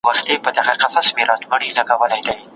هغوی به د ټولنې په پرمختګ کې اغیزناک وي.